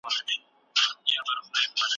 د خاوند د استمتاع حق د نوبت پر ځای دائمي سو.